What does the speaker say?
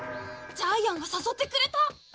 ジャイアンが誘ってくれた。